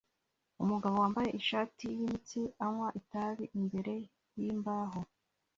Umugabo wambaye ishati yimitsi anywa itabi imbere yimbaho